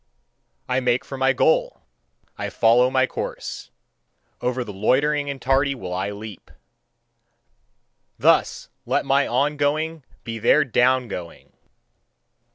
I make for my goal, I follow my course; over the loitering and tardy will I leap. Thus let my on going be their down going!